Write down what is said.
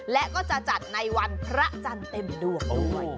และก็จะจัดในวันพระจันทร์เต็มดวงด้วย